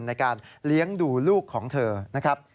ในการเลี้ยงดูลูกของเธอนะครับ